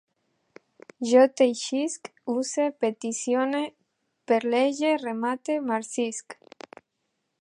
Jo teixisc, use, peticione, perlege, remate, marcisc